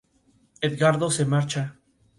Edgardo se marcha.